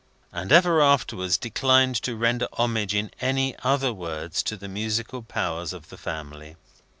And ever afterwards declined to render homage in any other words to the musical powers of the family.